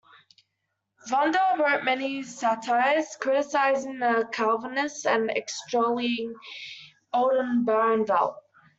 Vondel wrote many satires criticising the Calvinists and extolling Oldenbarnevelt.